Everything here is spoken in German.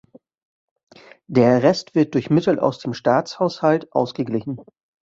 Der Rest wird durch Mittel aus dem Staatshaushalt ausgeglichen.